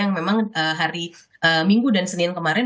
yang memang hari minggu dan senin kemarin